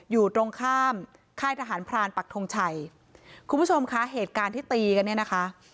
อยู่ตรงข้ามค่ายทหารพรานปักทงชัยคุณผู้ชมคะเหตุการณ์ที่ตีกันเนี่ยนะคะ